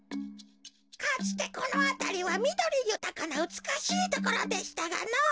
かつてこのあたりはみどりゆたかなうつくしいところでしたがのぉ。